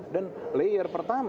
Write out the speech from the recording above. dan layer pertama